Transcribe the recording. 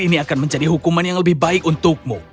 ini akan menjadi hukuman yang lebih baik untukmu